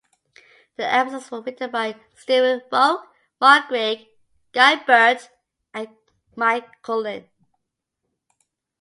The episodes were written by Stephen Volk, Mark Greig, Guy Burt and Mike Cullen.